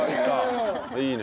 いいね。